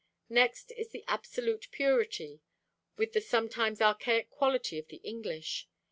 Next is the absolute purity, with the sometimes archaic quality, of the English.